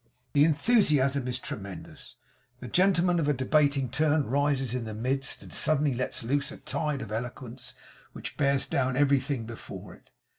The enthusiasm is tremendous. The gentleman of a debating turn rises in the midst, and suddenly lets loose a tide of eloquence which bears down everything before it.